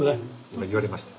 今言われました。